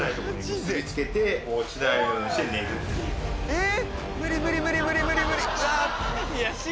えっ！